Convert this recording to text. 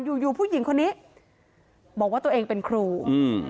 อยู่อยู่ผู้หญิงคนนี้บอกว่าตัวเองเป็นครูอืม